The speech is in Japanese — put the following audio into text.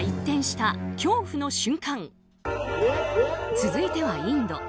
続いてはインド。